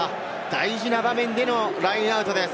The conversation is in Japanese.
大事な場面でのラインアウトです。